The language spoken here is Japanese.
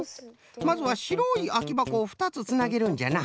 まずはしろいあきばこを２つつなげるんじゃな。